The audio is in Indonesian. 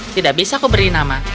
tidak bisa kuberi nama